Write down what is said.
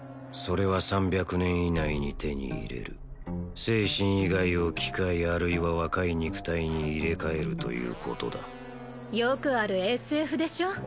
それは３００年以内に手に入れる精神以外を機械あるいは若い肉体に入れ替えるということだよくあるＳＦでしょ？